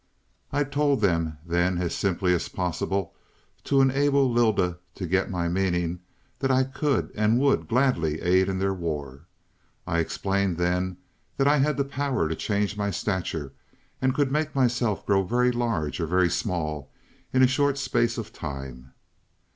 "I told them then, as simply as possible to enable Lylda to get my meaning, that I could, and would gladly aid in their war. I explained then, that I had the power to change my stature, and could make myself grow very large or very small in a short space of time.